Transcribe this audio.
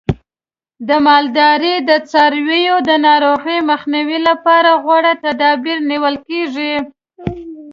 د مالدارۍ د څارویو د ناروغیو مخنیوي لپاره غوره تدابیر نیول کېږي.